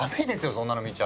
そんなの見ちゃ！